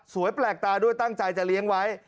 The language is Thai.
แปลกตาด้วยตั้งใจจะเลี้ยงไว้